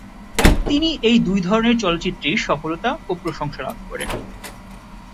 তিনি এই দুই ধরনের চলচ্চিত্রেই সফলতা ও প্রশংসা লাভ করেন।